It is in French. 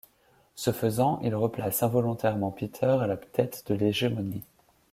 Ce faisant, il replace involontairement Peter à la tête de l’Hégémonie.